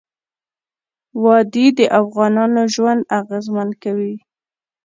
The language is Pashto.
وادي د افغانانو ژوند اغېزمن کوي.